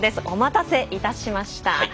お待たせいたしました。